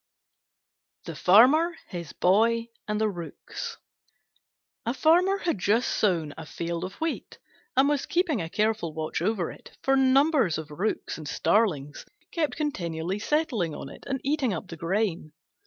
THE FARMER, HIS BOY, AND THE ROOKS A Farmer had just sown a field of wheat, and was keeping a careful watch over it, for numbers of Rooks and starlings kept continually settling on it and eating up the grain.